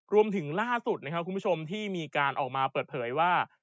รวมถึงล่าสุดที่มีการออกมาเปิดเผยว่า